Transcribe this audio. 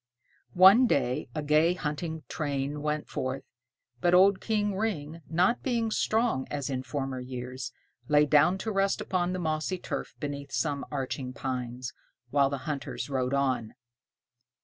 One day a gay hunting train went forth, but old King Ring, not being strong, as in former years, lay down to rest upon the mossy turf beneath some arching pines, while the hunters rode on.